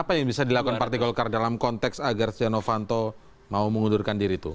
apa yang bisa dilakukan partai golkar dalam konteks agar setia novanto mau mengundurkan diri itu